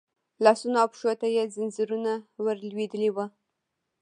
لاسونو او پښو ته يې ځنځيرونه ور لوېدلي وو.